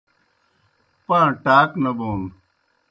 پاں ٹاک نہ بون